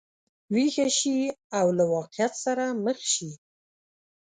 ویښه شي او له واقعیت سره مخ شي.